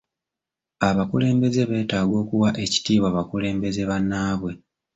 Abakulembeze beetaaga okuwa ekitiibwa bakulembeze bannaabwe.